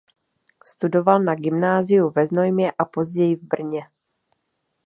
Studoval na gymnáziu ve Znojmě a později v Brně.